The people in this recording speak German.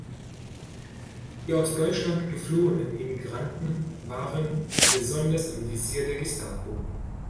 Die aus Deutschland geflohenen Emigranten waren besonders im Visier der Gestapo.